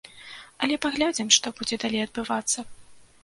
Але паглядзім, што будзе далей адбывацца.